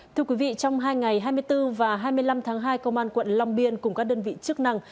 thưa quý vị trong hai ngày hai mươi bốn và hai mươi năm tháng hai công an quận long biên cùng các đơn vị chức năng